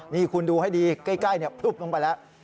นี่คุณดูให้ดีใกล้พลุบลงไปแล้ว